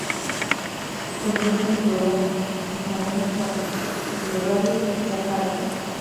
Conduce el programa "Mi pareja puede" y de radio "¡Ya parate!